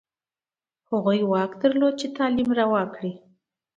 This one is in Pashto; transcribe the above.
هغوی واک درلود چې تعلیم روا کړي.